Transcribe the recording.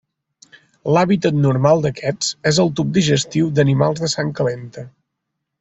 L'hàbitat normal d'aquests és el tub digestiu d'animals de sang calenta.